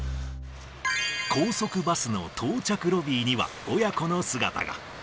高速バスの到着ロビーには、親子の姿が。